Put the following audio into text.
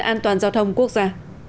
an toàn giao thông quốc gia